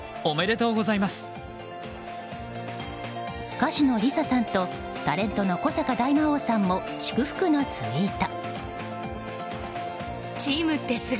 歌手のＬｉＳＡさんとタレントの古坂大魔王さんも祝福のツイート。